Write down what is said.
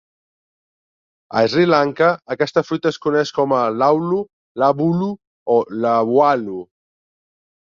A Sri Lanka, aquesta fruita es coneix com a "laulu", "lavulu" o "lawalu".